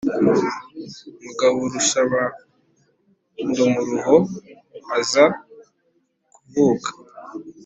mugaburushabandumuruho aza kuvuka